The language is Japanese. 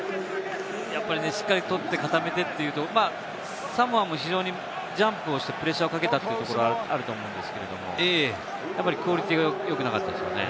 しっかりとって固めてという、サモアも非常にジャンプをしてプレッシャーをかけたところはあると思うんですけれど、やっぱりクオリティーがよくなかったですね。